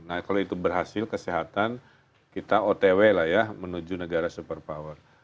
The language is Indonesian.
nah kalau itu berhasil kesehatan kita otw lah ya menuju negara super power